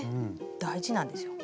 大事なんですよ。